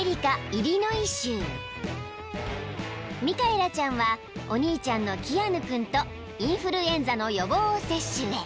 ［ミカエラちゃんはお兄ちゃんのキアヌ君とインフルエンザの予防接種へ］